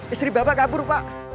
istri bapak kabur pak